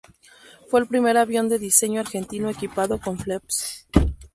Fue el primer avión de diseño argentino equipado con flaps.